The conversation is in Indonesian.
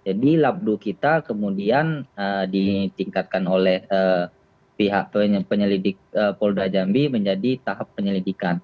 jadi labdu kita kemudian ditingkatkan oleh pihak penyelidik polda jambi menjadi tahap penyelidikan